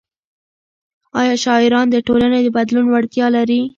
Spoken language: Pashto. ايا شاعران د ټولنې د بدلون وړتیا لري؟